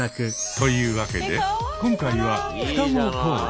というわけで今回は双子コーデ！